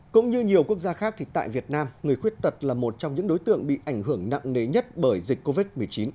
cũng như nhiều quốc gia khác thì tại việt nam người khuyết tật là một trong những đối tượng bị ảnh hưởng nặng nề nhất bởi dịch covid một mươi chín